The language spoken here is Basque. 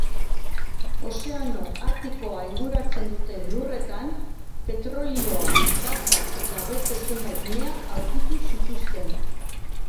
Ozeano Artikoa inguratzen duten lurretan petrolioa, gasa eta beste zenbait mea aurkitu zituzten.